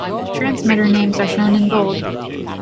Transmitter names are shown in bold.